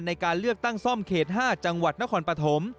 ในการเลือกตั้งซ่อมเขต๕จังหวัดนครปฐม